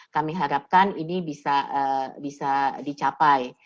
kami harapkan ini bisa dicapai